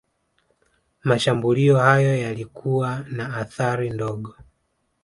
Mashambulio hayo yalikuwa na athari ndogo